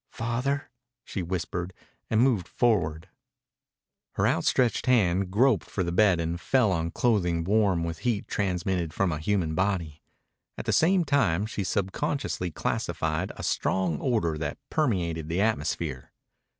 "Father," she whispered, and moved forward. Her outstretched hand groped for the bed and fell on clothing warm with heat transmitted from a human body. At the same time she subconsciously classified a strong odor that permeated the atmosphere.